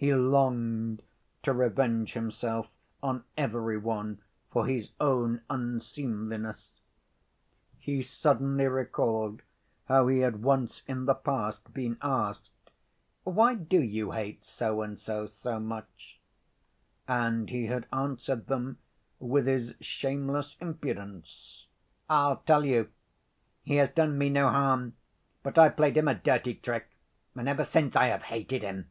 He longed to revenge himself on every one for his own unseemliness. He suddenly recalled how he had once in the past been asked, "Why do you hate so and so, so much?" And he had answered them, with his shameless impudence, "I'll tell you. He has done me no harm. But I played him a dirty trick, and ever since I have hated him."